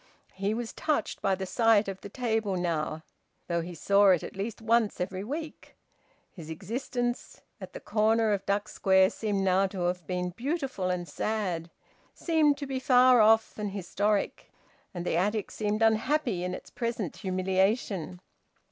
He was touched by the sight of the table now, though he saw it at least once every week. His existence at the corner of Duck Square seemed now to have been beautiful and sad, seemed to be far off and historic. And the attic seemed unhappy in its present humiliation.